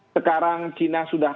sekarang cina sudah